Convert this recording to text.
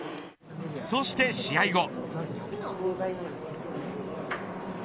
そして試合後。